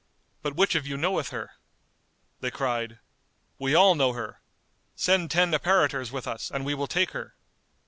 But which of you knoweth her?" They cried, "We all know her: send ten apparitors with us, and we will take her."